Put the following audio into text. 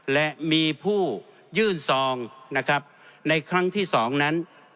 และมีผู้ยื่นซองนะครับในครั้งที่๒นั้น